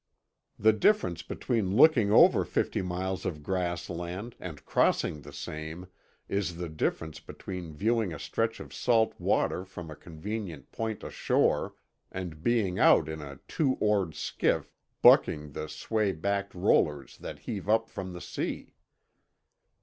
The difference between looking over fifty miles of grassland and crossing the same is the difference between viewing a stretch of salt water from a convenient point ashore and being out in a two oared skiff bucking the sway backed rollers that heave up from the sea.